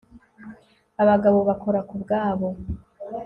abagabo bakora kubwabo